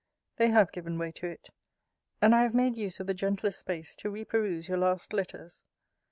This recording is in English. They have given way to it; and I have made use of the gentler space to re peruse your last letters.